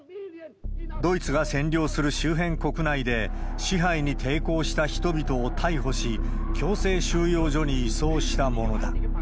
ドイツが占領する周辺国内で支配に抵抗した人々を逮捕し、強制収容所に移送したものだ。